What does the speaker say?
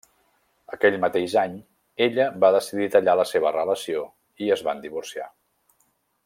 Aquell mateix any ella va decidir tallar la seva relació i es van divorciar.